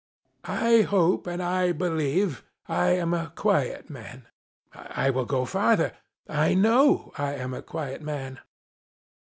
I hope and believe I am a quiet man. I will go farther. I know I am a quiet man.